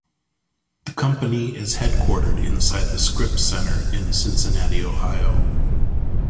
The company is headquartered inside the Scripps Center in Cincinnati, Ohio.